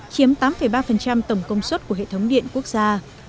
chiếm tám ba tổng công suất của hệ thống điện quốc gia